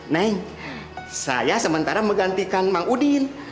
neng saya sementara menggantikan mamudin